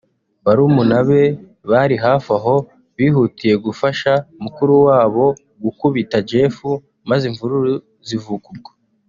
Barumuna be bari hafi aho bihutiye gufasha mukuru wabo gukubita Jeff maze imvururu zivuka ubwo